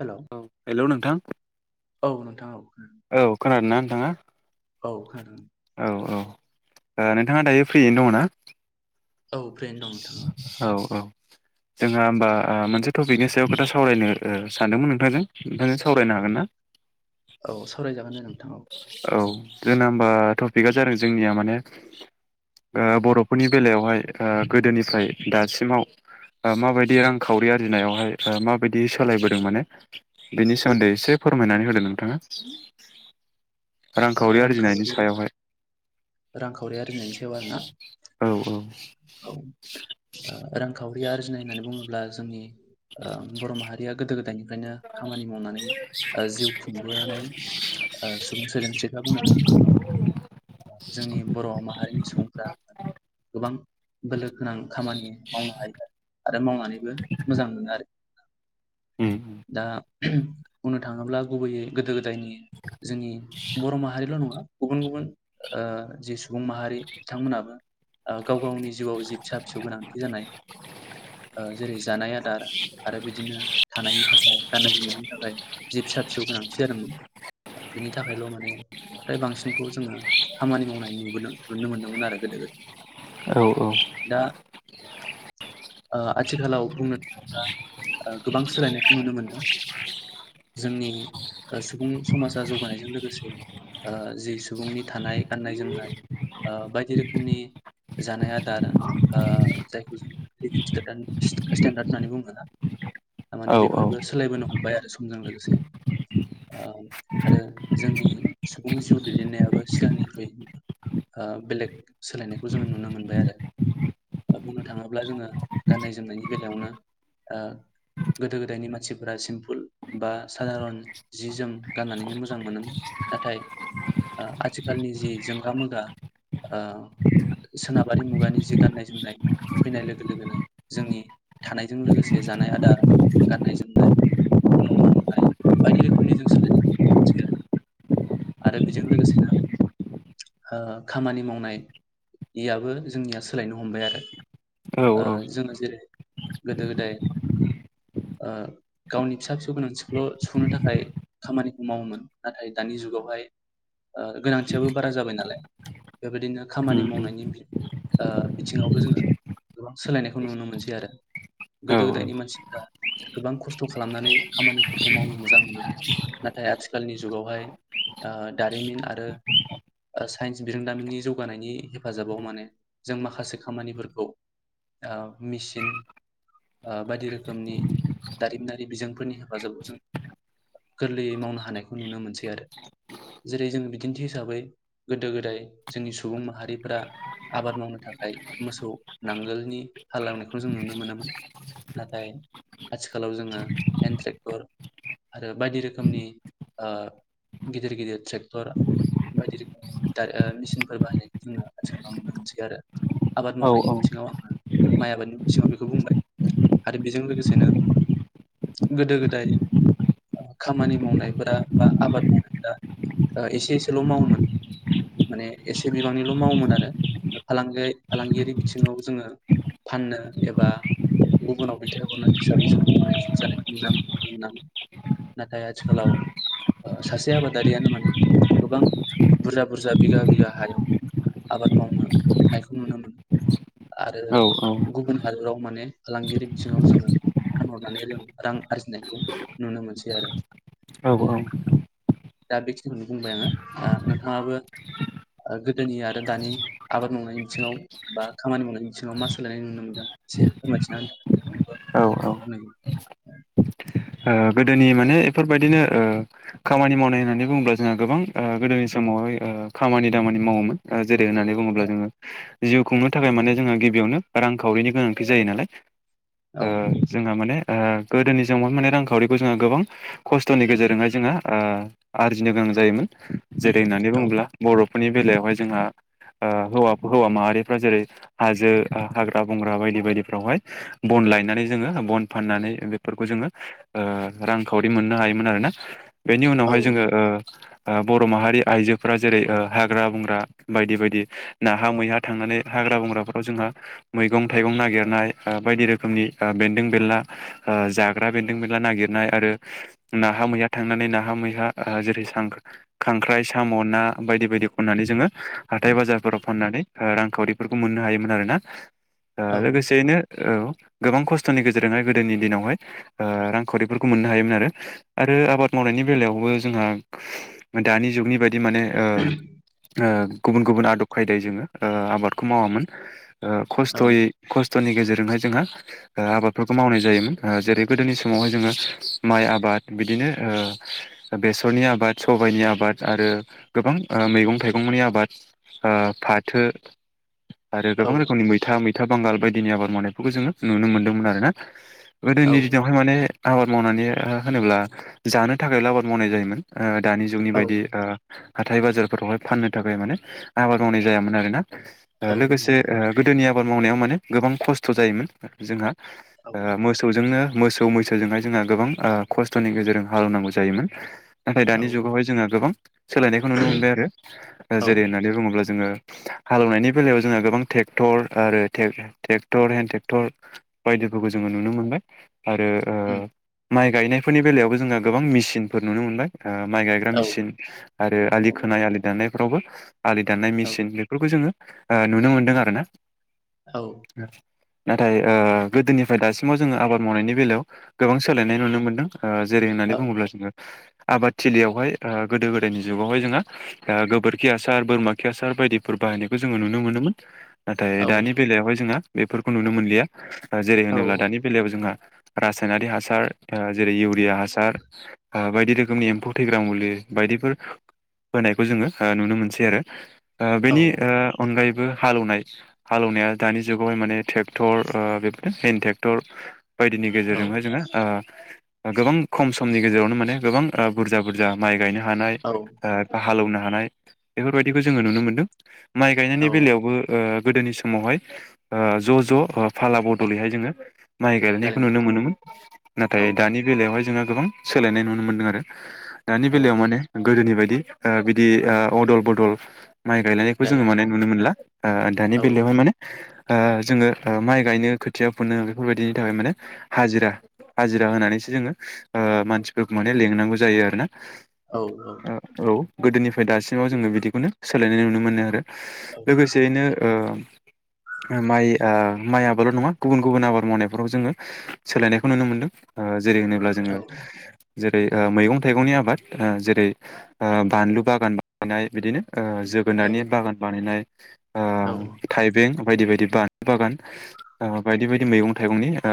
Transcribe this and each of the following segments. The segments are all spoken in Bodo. हेल' औ हेलौ नोंथां। औ नोंथा औ। औ खोनादोंना नोंथाङा? औ खोनादों। औ औ ओ नोंथाङा दायो फ्रियैनो दङोना? औ फ्रियैनो दं नोंथां औ। औ जोंहा होमबा ओ मोनसे टपिकनि सायाव खोथा सावरायनो ओ सानदोंमोन नोंथांजों ओमफाय नों सावरायनो हागोन ना? औ सावरायजागोन दे नोंथां औ औ जोंना होमबा टपिकआ जादों जोंनिया माने ओ बर'फोरनि बेलायावहाय ओ गोदोनिफ्राय दासिमाव ओ माबायदि रांखावरि आरजिनायावहाय बा माबायदि सोलायबोदों माने बिनि सोमोन्दै एसे फोरमायनानै होदो नोंथाङा ओ रांखावरि आरजिनायनि रांखावरि सायावहाय। रांखावरि आरजिनायनि सायाव आरो ना औ औ औ ओ रांखावरि रि आरजिनाय होननानै बुङोब्ला जोंनि बर' माहारिया गोदो गोदायनिफ्रायनो खामानि मावनानै जिउ खुंबोनानै। सुबुं [unintelligible] बुंनो थाङोब्ला। जोंनि बर' माहारिनि सुबुंफ्रा गोबां बोलो गोनां खामानि मावनो हायो आरो मावनानैबो मोजां मोनो आरो दा बुंनो थाङोब्ला गुबैयै गोदो गोद जायनि जोंनि बर' माहारिल' नङा गुबुन गुबुन ओ सुबुं माहारि बिथांमोनाबो गाव गावनि जिउआव जि फिसा फिसौ गोनांथि जानाय ओ जेरै जानाय आदार आरो बिदिनो थानायनि थाखा य गाननाय जोमनायनि थाखाय जि फिसा फिसौ गोनांथि जादोंमोन। बिनि थाखायल' माने फ्राय बांसिनखौ जोङो खामानि मावनाय नुबोदों नुनो मोन्दोंमोन आरो गोदो गोद औ औ। ओ आथिखालाव बुंनो थाङोब्ला गोबां सोलायनाय ननो मोनदों। जोंनि सुबुं समाजा जौगानायजों लोगोसे ओ जि सुबुंनि थानाय गाननाय जोमनाय ओ बायदि रोखोमनि जानाय आदार ओ जायखौ जों स्टेेनडार्ड होन्नानै बुङोना? [inaudible] थारमाने बेफोरबो औ सोलायबोनो हमबाय आरो समजों लोगोसे ओ आरो जोंनि सुबुंनि जिउ दैदेननायाबो सिगांनिख्रुइ ओ बेलेग सोलायनायखौ जोङो नुनो मोनबाय आरो। बुंनो थाङोब्ला जोङो गाननाय जोमनायनि बेलायावनो गोदो गोदायनि मानसिफोरा सिम्पोल बा साादारन जि जोम गाननानैनो मोजां मोनोमोन। नाथाय ओ आथिखालनि जि जोंगा मागा ओ सोनाबारि मुगानि जि गाननाय जोमनाय फैनाय लोगो लोगोनो जोंनि थानायजों लोगोसे जानाय आदार गाननाय जोमनाय न' बां मोननाय बायदि रोखोमनि जों सोलायनाय मोनसै आरो। आरो बेजों लोगोसेनो ओ खामानि मावनाययाबो जोंनिया सोलायनो हमबाय आरो। औ ओ औ जोङो जेरै गोदो गोदाय [inaudible] ओ गावनि फिसा फिसौ गोनांथिखौल' सुफुंनो थाखाय खामानिखौ मावोमोन नाथाय दानि जुगावहाय ओ गोनांथियाबो बारा जाबाय नालाय बेबायदिनो खामानि उम उम मावनायनि ओ बिथिङावबो जोङो गोबां सोलायनायखौ नुनो मोनसै आरो। औ गोदो गोदायनि मानसिफोरा गोबां खस्थ' खालामनानै खामानिफोरखौ मावनो मोजां मोनोमोन नाथाय आथिखालनि जुगावहाय ओ दारिमिन आरो [inaudible] ओ साइन्स बिरोंदामिननि जौगानायनि हेफाजाबाव माने जों माखासे खामानिफोरखौ ओ मिसिन ओ बायदि रोखोमनि दारिमिनारि बिजोंफोरनि हेफाजाबाव जों गोरलैयै मावनो हानायखौ नुनो मोनसै आरो जेरै जोङो बि दिन्थि हिसाबै गोदो गोदाय जोंनि सुबुं माहारिफोरा आबाद मावनो थाखाय मोसौ नांगोलनि हाललावनायखौ जों नुनो मोनामोन। नाथाय आथिखालाव जोङो हेन्द ट्रेकफोर आरो बायदि रोखोमनि ओ गिदिर गिदिर ट्रेक्टर बायदि रोखोमनि दा ओ मेचिनफोर बाहायनायखौ जोङो आथिखालाव नुनो मोनसै आरो। आबाद औ औ मावनायनि औ बिथिङाव आङो माइ आबादनि बिथिङाव बेखौ बुंबाय आरो बेजों लोगोसेनो गोदो गोदाय। खामानि मावनायफोरा बा आबाद मावनायफोरा ओ एसे ओ एसेल' मावोमोन। माने एसे बिबांनिल' मावोमोन आरो फालांगि फालांगियारि बिथिङाव जोङो फाननो एबा गुबुनाव दैथायहरनाय हिसाबै जोङो मावनाय जानायखौ नुनां नुनां नाथाय आथिखालाव ओ सासे आबादारियानो माने गोबां बुरजा बुरजा बिघा बिघा हायाव आबाद मावनो नायखौ नुनो मोनो आरो औ गुबुन हादराव माने फालांगिरि बिथिङाव जोङो फानहरनानै जों रां आरजिनायखौ नुनो मोनसै आरो। औ औ। दा बेखिनिखौनो बुंबाय आङो ओ नोंथाङाबो ओ गोदोनि आरो दानि आबाद मावनायनि बिथिङाव बा खामानि मावनायनि बिथिङाव मा सोलायनाय नुनो मोनदों एसे फोरमायथिना होनाय [inaudible] [unintelligible] ओ गोदोनि माने एफोरबायदिनो ओ खामानि मावनाय होननानै बुङोब्ला जोंहा गोबां ओ गोदोनि समाव हायो ओ खामानि दामानि मावोमोन ओ जेरै होननानै बुङोब्ला जोङो जिउ खुंनो थाखाय माने जोंहा गिबियावनो रांखावरिनि गोनांथि जायो नालाय। औ ओ जोंहा माने ओ गोदोनि जों [unintelligible] रांखौ खावरिखौ जोङो गोबां खस्थ'नि गेजेरजोंहाय जोङो ओ आरजिनो गोनां जायोमोन। जेरै होननानै औ बुङोब्ला बर'फोरनि बेलायावहाय जोंहा ओ हौवा हौवा माहारिफ्रा जेरै हाजो हाग्रा-बंग्रा बायदि बायदिफ्रावहाय बन लायनानै जोङो बन फाननानै बेफोरखौ जोङो ओ रांखावरि मोननो हायोमोन आरोना। बेनि उनावहाय जोङो ओ ओ बर' माहारि आइजोफोरा जेरै ओ हाग्रा-बंग्रा बायदि बायदि नाहा मैहा थांनानै हाग्रा-बंग्राफ्राव जोंहा मैगं-थाइगं नागिरनाय ओ बायदि रोखोमनि ओ बेन्दों बेला ओ ओ जाग्रा बेदों बेन ला नागिरनाय आरो नाहा-मैहा थांनानै नाहा-मैहा जेरै ओ सांख्रा खांख्राइ सा म' ना बायदि बायदि खननानै जोङो हाथाय बाजारफोराव फाननानै ओ रांखावरिफोरखौ मोननो हायोमोन आरोना। ओ औ लोगोसेयैनो औ गोबां खस्थ'नि गेजेरजोंहाय गोदोनि दिनावहाय ओ रां खावरिफोरखौ मोननो हायोमोन आरो। आरो आबाद मावनायनि बेलायावबो जोंहा दानि जुगनि बाय दि माने ओ ओ गुबुन गुबुन आदब खायदायै जोङो ओ आबादखौ मावामोन। ओ औ खस्थ'यै खस्थ'नि गेजेरजोंहाय जोंहा ओ आबादफोरखौ मावनाय जायोमोन। ओ जेरै गोदोनि समावहाय जोङो माइ आबाद बिदिनो ओ बेसरनि आबाद सबाइनि आबाद आरो ओ गोबां ओ मैगं थाइगंनि आबाद ओ फाथो आरो औ गोबां रोखोमनि मैथा, मैथा बांगाल बायदिनि आबाद मावनायफोरखौ जोङो नुनो मोन्दोंमोन आरो ना। औ गोदोनि दिनावहाय माने आबाद मावनानै ओ होनोब्ला जानो थाखायल' आबाद मावनाय जायोमोन। ओ दानि जुगनि औ बाय ओ औ लोगोसे नंगौ ओ गोदोनि आबाद मावनायाव माने गोबां खस्थ' जायोमोन जोंहा औ ओ मोसौजोंनो मोसौ मैसोजोंहाय जोंहा गोबां ओ खस्थ'नि गेजेरजों हालेवनांगौ जायोमोन। नाथाय औ दानि जुगावहाय जोंहा गोबां सोलायनायखौ नुनो मोनबाय आरो। ओ औ जेरै होननानै बुङोब्ला जोङो हालेवनायनि बेलायाव जोंहा गोबां टेक्टर आरो टेक-टेक्टर हेन्द ट्रेक्टर बाय दिफोरखौ जोङो नुनो मोनबाय। आरो ओ उम माइ गायनायफोरनि बेलायावबो जोंहा गोबां मेसिनफोर नुनो मोनबाय। ओ माइ गायग्रा औ मेसिन आरो आलि औ खोनाय आलि दान्नायफ्रावबो आलि दाननाय औ मेसिन बेफोरखौ जोङो ओ नुनो मोनदों आरो ना। औ। नाथाय ओ गोदोनिफ्राय दासिमाव जोङो आबाद मावनायनि बेलायाव गोबां सोलायनाय नुनो मोनदों। ओ जेरै होननानै बुङोब्ला जोङो आबाद थिलियावहाय ओ गोदो‌ गोदायनि जुगावहाय जोंहा ओ गोबोरखि हासार बोरमा खि हासार बायदिफोर बा हायनायखौ जोङो नुनो मोनोमोन। नाथाय औ दानि बेलायावहाय जोंहा बेफोरखौ नुनो मोनलिया। ओ जेरै होनोब्ला दानि बेलायाव जोंहा रासायनारि हासार ओ जेरै इउरिया हासार ओ बायदि रोखोमनि एम्फौ थैग्रा मुलि बायदिफोर होनायखौ जोङो ओ नुनो मोनसै आरो ओ बेनि ओ अनगायै बो हालेवनाय हालेवनाया दानि जुगावहाय माने ट्रेक्टर बे हेन्द ट्रेक्टर बायदिनि गेजेरजोंहाय जोङो ओ गोबां खम समनि गेजेरावनो माने गोबां बुरजा बुरजा माइ गायनो हानाय औ ओ हालौनो हानाय बेफोरबायदिखौ जोङो नुनो मोनदों माइ गायनायनि औ बेलायावबो गोदोनि समावहाय ओ ज' ज' फाला बदलैहाय जोङो माइ गायनायखौ नुनो गालायनायखौ मोनोमोन मोनो औ नाथाय दानि बेलायावहाय जोंहा गोबां सोलायनाय नुनो मोनदों आरो। दानि औ बेलायाव माने गोदोनि बायदि ओ बिदि ओ अदल बदल माइ गायनायखौ जोङो माने गालायनाय नुनो मोनला दानि औ बेलायावहाय माने ओ जोङो ओ माइ गायनो खोथिया फुनो बेफोरबायदि थाखाय माने हाजिरा हाजिरा होनानैसो जोङो ओ मानसिफोरखौ माने लेंनांगौ जायो आरोना। औ औ औ गोदोनिफ्राय दासिमाव जोङो बिदिखौनो सोलायनाय नुनो मोनो आरो। औ लोगोसेयैनो ओ माइ माइ आबादल' नङा गुबुन गुबुन आबाद मावनायफ्राव जोङो सोलायनायखौ नुनो मोनदों। ओ जेरै होनोब्ला जोङो जेरै ओ मैगं थाइगंनि आबाद जेरै ओ बानलु बागान बानायनाय बिदिनो ओ औ जोगोनारनि बागान बानायनाय थाइबें बायदि बायदि बानलु बागान ओ बायदि बायदि मैगं थाइगंनि ओ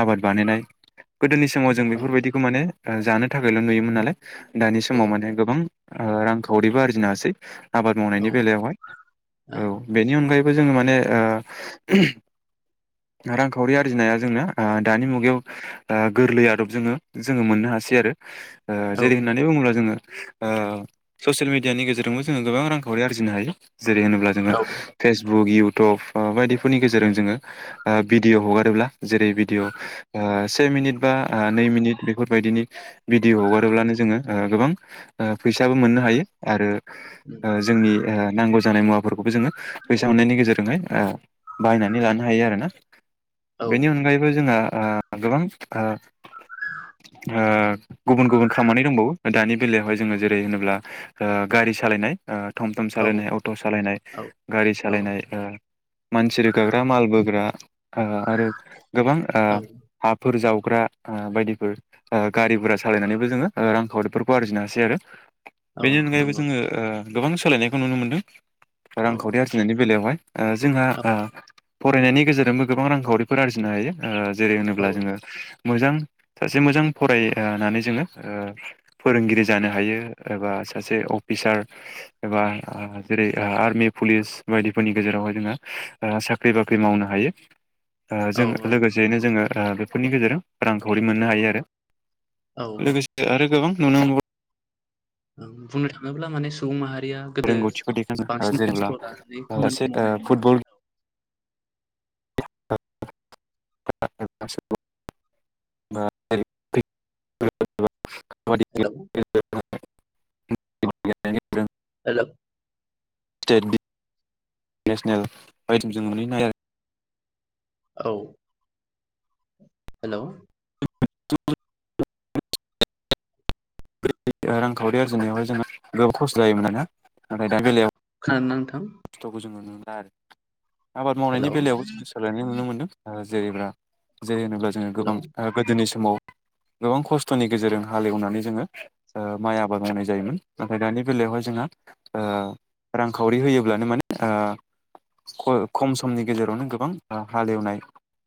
आबाद बानायनाय गोदोनि समाव जों बेफोरबायदिखौ माने जानो थाखायल' नुयोमोन नालाय दानि औ समाव माने गोबां ओ रांखावरिबो आरजिनो हासै आबाद औ मावनायनि बेलायावहाय ओं औ बेनि अनगायै बो जोङो माने ओ रां खावरि आरजिनाया जोंना दानि मुगायाव गोरलै आदब जोङो जोङो मोननो हासै आरो ओ औ जेरै होननानै बुङोब्ला जोङो ओ ससियेल मिडियानि गेजेरजोंबो जोङो गोबां रांखावरि आरजिनो हायो। जेरै होनोब्ला जोङो औ फेसबुक इयउटुब बायदिफोरनि गेजेरजों जोङो ओ बि डिअ हगारोब्ला जेरै भिदिअ से मिनिट बा नै मिनिट बेफोरबायदिनि भिडिअ हगारोब्लानो जोङो ओ गोबां फैसाबो मोननो हायो आरो ओ जोंनि ओ नांगौ जानाय मुवाफोरखौबो जोङो फैसा मोननायनि गेजेरजोंहाय बायनानै लानो हायो आरोना। उम, औ बेनि अनगायैबो जोंहा गोबां ओ [inaudible] गुबुन गुबुन खामानि दंबावो दानि बेलायावहाय जोङो जेरै होनोब्ला ओ गारि सालायनाय ओ थम थम औ सालायनाय अट' सालायनाय औ गारि औ सालायनाय ओ मानसि रोगाग्रा माल बोग्रा ओ आरो गोबां ओ औ हाफोर जाव ग्रा बायदिफोर गारि गुरा सालायनानैबो जोङो रांखावरिफोरखौ आरजिनो हासै आरो औ बेनि अनगायैबो नंगौ जोङो ओ गोबां सोलायनायखौ नुनो मोनदों औ रांखावरि आरजिनायनि बेलायावहाय। ओ जोंहा औ फरायनायनि गेजेरजोंबो गोबां रांखावरिफोर आरजिनो हायो ओ जेरै होनोब्ला जोङो मोजां सासे मोजां फराय ओ नानै जोङो ओ फोरोंगिरि जानो हायो एबा सासे अफिसार एबा जेरै आर्मि पुलिस बायदिफोरनि गेजेरावहाय जोङो ओ साख्रि बाख्रि मावनो हायो। ओ औ जों लोगोसेयैनो जोङो बेफोरनि गेजेरजों रांखावरि मोननो हायो आरो। औ लोगोसे आरो गोबां नुनो बुंनो थाङोब्ला माने सुबुं माहारि या गोदो रोंगौथिखौ देखायनो बांसिन जेनेबा खस्थ' लानानै सासे खामानिखौ ओ मावनाय नुनो फुटबल मोनो [unintelligible] [unintelligible] हेलौ [unintelligible] हेल' [unintelligible] औ हेलौ [unintelligible] [unintelligible] रांखावरि आरजिनायावहाय जोंङो गोबां खस्थ' जायोमोन आरोना नाथाय दा बेलायाव आरो नोंथां खस्थ'खौ जोङो नुनो मोनला आरो आबाद मावनायनि हेलौ बेलायावबो जों सोलायनाय नुनो मोनदों ओ जेरैब्ला जेरै होनोब्ला जोङो गोबां हेलौ ओ गोदोनि समाव गोबां खस्थ'नि गेजेरजों हालएवनानै जोङो ओ माइ आबाद मावनाय जायोमोन नाथाय दानि बेलायावहाय जोंहा ओ रांखावरि होयोब्लानो माने ओ ख खम समनि गेजेरावनो गोबां हालएवनाय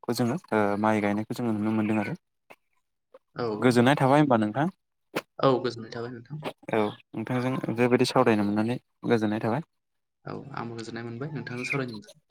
खौ जोङो ओ माइ गायनायखौ जोङो नुनो मोनदों आरो। औ गोजोननाय थाबाय होमबा नोंथां। औ गोजोननाय थाबाय नोंथां। औ नोंथांजों बेबायदि सावरायनो मोननानै गोजोननाय थाबाय। औ आंबो गोजोननाय मोनबाय नोंथांजों सावरायनो मोनना।